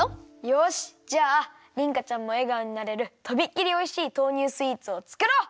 よしじゃありんかちゃんもえがおになれるとびっきりおいしい豆乳スイーツをつくろう！